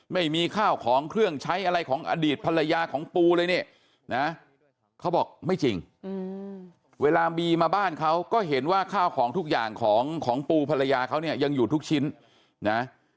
ไม่มีข้าวของเครื่องใช้อะไรของอดีตภรรยาของปูเลยเนี่ยนะเขาบอกไม่จริงเวลาบีมาบ้านเขาก็เห็นว่าข้าวของทุกอย่างของปูภรรยาเขาเนี่ยยังอยู่ทุกชิ้นนะ